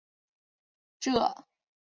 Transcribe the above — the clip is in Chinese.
这本书主要关注狗类工作服从能力。